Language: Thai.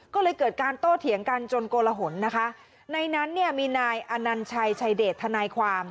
ก็เลยเกิดการโต้เถียงกันจนโกลหนนะคะในนั้นเนี่ยมีนายอนัญชัยชัยเดชทนายความ